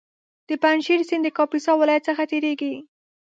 د پنجشېر سیند د کاپیسا ولایت څخه تېرېږي